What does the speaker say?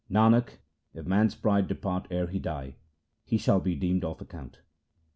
Nanak, if man's pride depart ere he die, he shall be deemed of account.